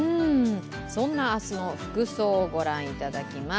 そんな明日の服装ご覧いただきます。